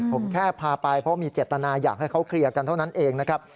ผมแค่พาไปเพราะมีเจตนาอยากให้เขาเคลียร์กันเท่านั้นเองนะครับ